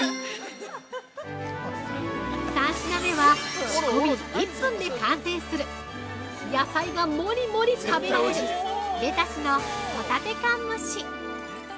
◆３品目は仕込み１分で完成する野菜がもりもり食べられるレタスのほたて缶蒸し。